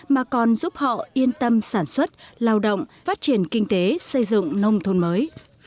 mà còn giúp họ yên tâm sản xuất lao động phát triển kinh tế xây dựng nông thôn mới